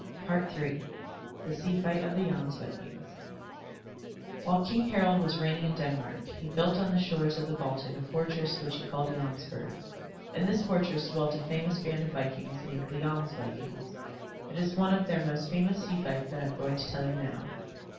III THE SEA FIGHT OF THE JOMSVIKINGS While King Harald was reigning in Denmark, he built on the shores of the Baltic a fortress which he called Jomsburg. In this fortress dwelt a famous band of vikings named the Jomsvikings. It is one of their most famous sea fights that I am going to tell you now.